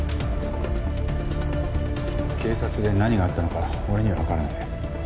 警察で何があったのか俺にはわからない。